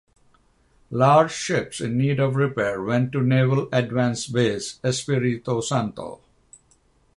Large ships in need of repair went to Naval Advance Base Espiritu Santo.